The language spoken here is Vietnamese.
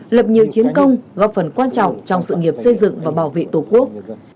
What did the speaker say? lập nhiều chiến công góp phần quan trọng trong sự nghiệp xây dựng và bảo vệ tổ quốc